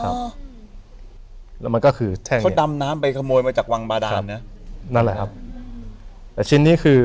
ที่นี่ว่าเค้าดำน้ำไปขโมยมาจากวังบาดาน